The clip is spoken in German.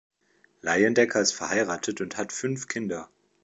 Leyendecker ist verheiratet und hat fünf Kinder.